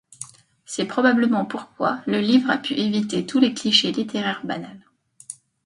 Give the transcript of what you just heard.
C'est probablement pourquoi le livre a pu éviter tous les clichés littéraires banals.